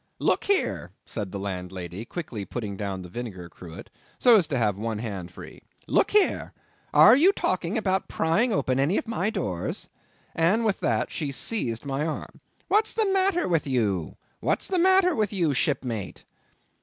"Look here," said the landlady, quickly putting down the vinegar cruet, so as to have one hand free; "look here; are you talking about prying open any of my doors?"—and with that she seized my arm. "What's the matter with you? What's the matter with you, shipmate?"